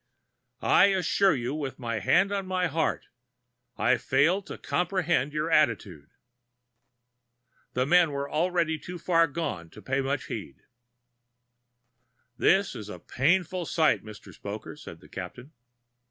I assure you, with my hand on my heart, I fail to comprehend your attitude." The men were already too far gone to pay much heed. "This is a very painful sight, Mr. Spoker," said the Captain.